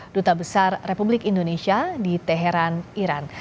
duta besar republik indonesia di teheran iran